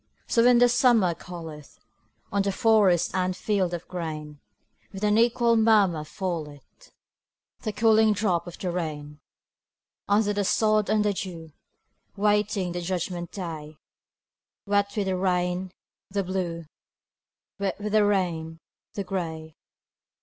So, when the summer calleth, On forest and field of grain, With an equal murmur falleth The cooling drop of the rain: Under the sod and the dew, Waiting the judgment day; Wet with the rain, the Blue, Wet with the rain, the Gray.